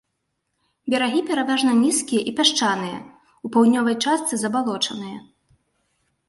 Берагі пераважна нізкія і пясчаныя, у паўднёвай частцы забалочаныя.